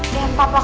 dan papa kamu itu